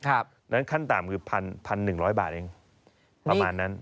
แล้วขั้นต่ำคือ๑๑๐๐บาทประมาณนั้น